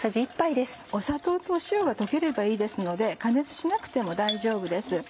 砂糖と塩が溶ければいいですので加熱しなくても大丈夫です。